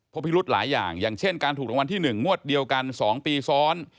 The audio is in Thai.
พิรุธหลายอย่างอย่างเช่นการถูกรางวัลที่๑งวดเดียวกัน๒ปีซ้อน